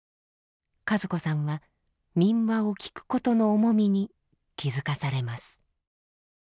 和子さんは民話をきくことの重みに気付かされます。